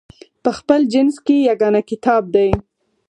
په خپل جنس کې یګانه کتاب دی.